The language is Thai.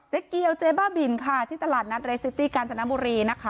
เกียวเจ๊บ้าบินค่ะที่ตลาดนัดเรสซิตี้กาญจนบุรีนะคะ